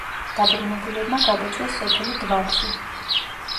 დაბრუნებულებმა გადაწვეს სოფელი დვაბზუ.